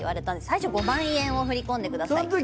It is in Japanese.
最初５万円を振り込んでくださいって。